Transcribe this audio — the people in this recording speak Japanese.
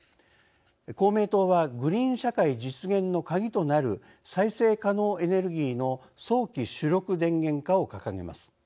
公明党は「グリーン社会実現のカギとなる再生可能エネルギーの早期主力電源化」を掲げます。